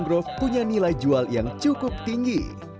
sebenarnya kopi biji mangrove punya nilai jual yang cukup tinggi